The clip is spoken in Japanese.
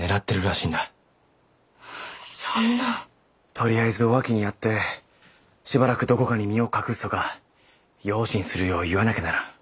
とりあえずおあきに会ってしばらくどこかに身を隠すとか用心するよう言わなきゃならん。